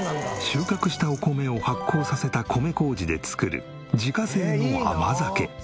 収穫したお米を発酵させた米麹で作る自家製の甘酒。